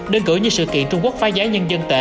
đơn cử như sự kiện trung quốc phá giá nhân dân tệ